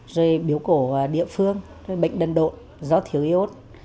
rồi biểu cổ địa phương rồi bệnh đần độ do thiếu iốt